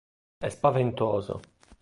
È spaventoso.